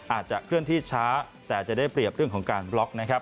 อาจจะเคลื่อนที่ช้าแต่จะได้เปรียบเรื่องของการบล็อกนะครับ